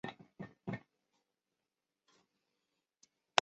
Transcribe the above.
繁体中文版由台湾光谱代理。